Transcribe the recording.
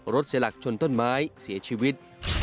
เสียหลักชนต้นไม้เสียชีวิต